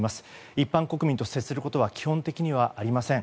一般国民と接することは基本的にはありません。